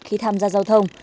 khi tham gia giao thông